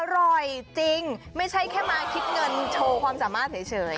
อร่อยจริงไม่ใช่แค่มาคิดเงินโชว์ความสามารถเฉย